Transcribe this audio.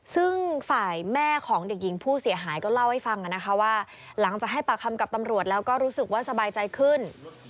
ซึ่งฝ่ายแม่ของเด็กหญิงผู้เสียหายก็เล่าให้ฟังนะคะว่าหลังจากให้ปากคำกับตำรวจแล้วก็รู้สึกว่าสบายใจขึ้น